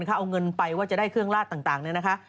เขาเอาเงินไปว่าจะได้เครื่องลาดต่างเนี่ยนะคะ